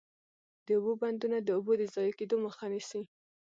د اوبو بندونه د اوبو د ضایع کیدو مخه نیسي.